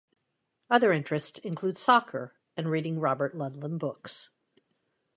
Other interests include soccer and reading Robert Ludlum books.